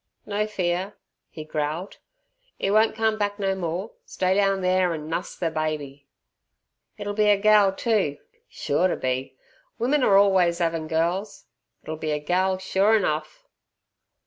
"No fear," he growled, "'e won't come back no more; stay down there an' nuss ther babby. It'll be a gal too, sure to be! Women are orlways 'avin' gals. It'll be a gal sure enough."